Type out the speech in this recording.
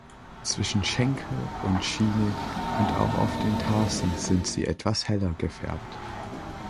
Zwischen Schenkel und Schiene und auch auf den Tarsen sind sie etwas heller gefärbt.